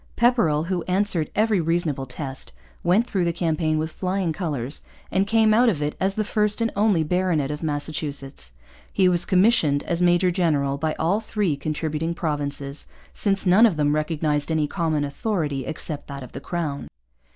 Pepperrell, who answered every reasonable test, went through the campaign with flying colours and came out of it as the first and only baronet of Massachusetts. He was commissioned as major general by all three contributing provinces, since none of them recognized any common authority except that of the crown.